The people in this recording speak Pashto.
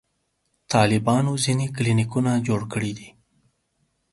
طالبانو ځینې کلینیکونه جوړ کړي دي.